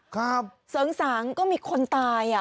ครับเสริงสางก็มีคนตายอะ